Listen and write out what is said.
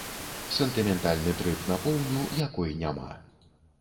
Сентыментальны трып на поўню, якой няма.